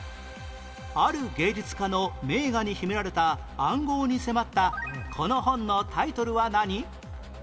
ある芸術家の名画に秘められた暗号に迫ったこの本のタイトルは何？